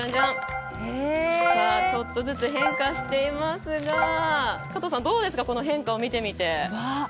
ちょっとずつ変化していますが加藤さん、どうですかこの変化を見てみて。